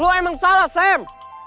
lo emang salah sam